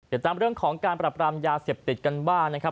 ติดตามเรื่องของการปรับรามยาเสพติดกันบ้างนะครับ